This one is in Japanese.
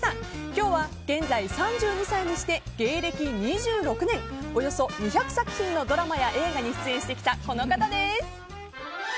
今日は現在３２歳にして芸歴２６年およそ２００作品のドラマや映画に出演してきたこの方です！